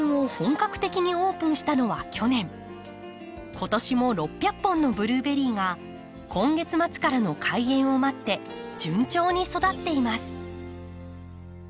今年も６００本のブルーベリーが今月末からの開園を待って順調に育っています。